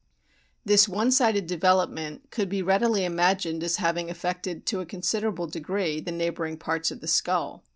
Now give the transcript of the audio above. This one sided develop ment could be readily imagined as having affected to a considerable degree the neighbouring parts of the skull.